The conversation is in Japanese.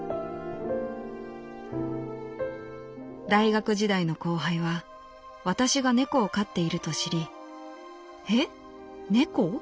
「大学時代の後輩は私が猫を飼っていると知り『え？猫？